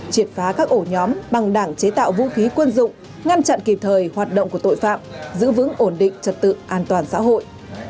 triệt phá các ổ nhóm bằng đảng chế tạo vũ khí quân dụng ngăn chặn kịp thời hoạt động của tội phạm giữ vững ổn định trật tự an toàn xã hội